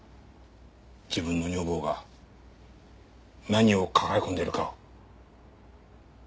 自分の女房が何を抱え込んでいるか。